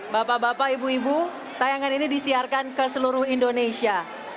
bapak bapak ibu ibu tayangan ini disiarkan ke seluruh indonesia